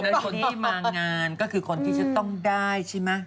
แล้วคนที่มางานก็คือคนที่จะต้องได้ใช่ไหม